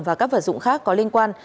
và các vật dụng khác có liên quan